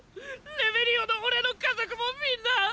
レベリオのオレの家族もみんな⁉